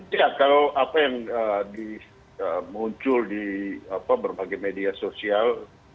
ya kalau apa yang muncul di berbagai media sosial